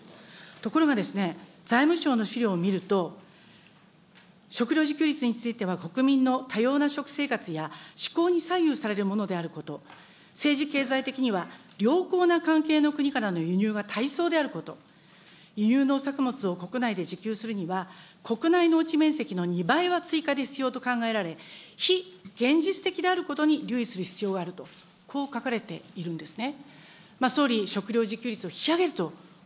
ところがですね、財務省の資料を見ると、食料自給率については、国民の多様な食生活やしこうに左右されるものであること、政治経済的には、良好な関係の国からの輸入がたいそうであること、輸入農作物を国内で自給するには、国内農地面積の２倍は追加で必要と考えられ、非現実的であることに留意する必要があると、こう書かれているんですね。